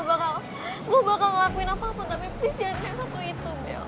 gue bakal lakuin apapun tapi please jangan yang satu itu bel